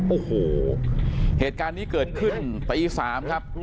โอ้โหเหตุการณ์นี้เกิดขึ้นตี๓ครับ